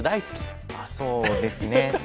そうですね。